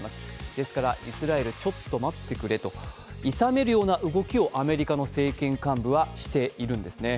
ですから、イスラエルちょっと待ってくれと、いさめるような動きをアメリカの政権幹部はしているんですね。